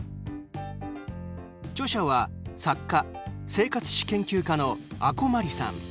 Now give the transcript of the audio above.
著者は、作家・生活史研究家の阿古真理さん。